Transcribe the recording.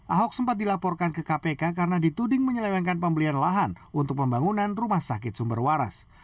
ahok sempat dilaporkan ke kpk karena dituding menyelewengkan pembelian lahan untuk pembangunan rumah sakit sumber waras